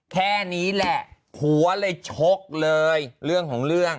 แค่นี้แหละผัวเลยชกเลยเรื่องของเรื่อง